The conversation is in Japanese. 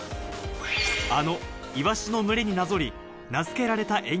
あのイワシの群れになぞり、名付けられた演技。